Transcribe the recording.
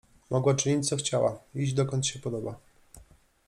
Mogła czynić, co chciała, iść, dokąd się podoba…